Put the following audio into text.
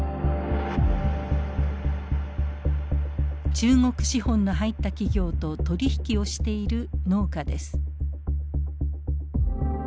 中国資本の入った企業と取り引きをしている農家です。